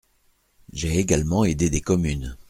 J’ai également aidé des communes.